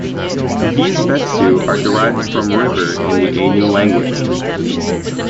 These "betsu" are derived from "river" in the Ainu language.